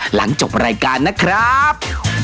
หลังจบรายการนะครับ